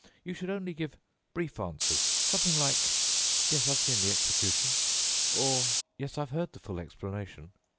You should only give brief answers—something like, 'Yes, I've seen the execution' or 'Yes, I've heard the full explanation.